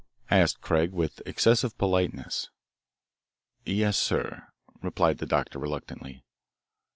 asked Craig with excessive politeness. "Yes, sir," replied the doctor reluctantly.